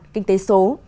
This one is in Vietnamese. kinh tế số